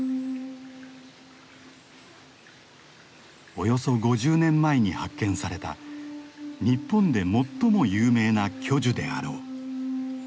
およそ５０年前に発見された日本で最も有名な巨樹であろう。